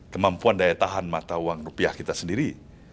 kemampuan daya tahan mata uang rupiah kita sendiri